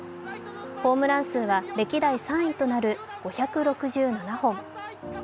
ホームラン数は歴代３位となる５６７本。